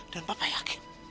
dan papa yakin